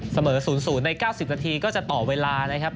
เสมอ๐๐ใน๙๐นาทีก็จะต่อเวลานะครับ